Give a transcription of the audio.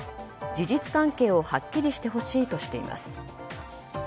事実関係をはっきりしてほしいとしています。